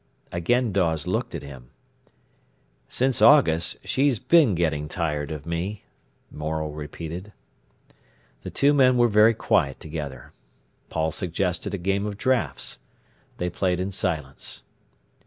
Again Dawes looked at him. "Since August she's been getting tired of me," Morel repeated. The two men were very quiet together. Paul suggested a game of draughts. They played in silence.